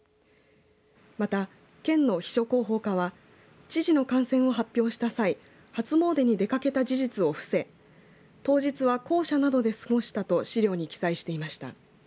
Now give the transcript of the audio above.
また県の秘書広報課は知事の感染を発表した際初詣に出かけた事実を伏せ当日は公舎などで過ごしたと資料に記載していました。